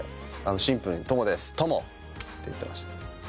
シンプルに「トモですトモ！」って言ってました。